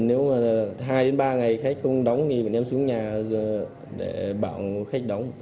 nếu mà hai đến ba ngày khách không đóng thì bọn em xuống nhà để bảo khách đóng